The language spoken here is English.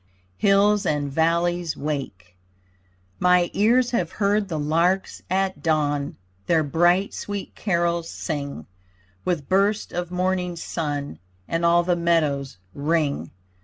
HILLS AND VALLEYS WAKE My ears have heard the larks at dawn, Their bright sweet carols sing, With burst of morning sun And all the meadows ring.